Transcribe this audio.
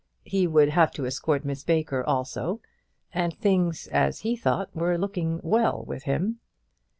He would have to escort Miss Baker also; and things, as he thought, were looking well with him.